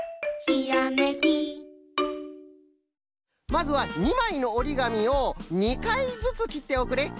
まずは２まいのおりがみを２かいずつきっておくれ。